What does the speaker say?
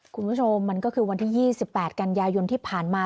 คุณผู้ชมมันก็คือวันที่๒๘กันยายนที่ผ่านมา